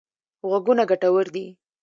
غوږونه ګټور دي.